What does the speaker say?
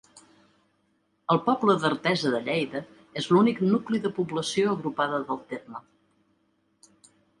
El poble d'Artesa de Lleida és l'únic nucli de població agrupada del terme.